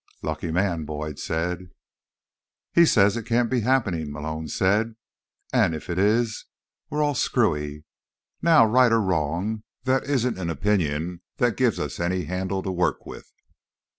"Lucky man," Boyd said. "He says that it can't be happening," Malone said, "and if it is we're all screwy. Now, right or wrong, that isn't an opinion that gives us any handle to work with."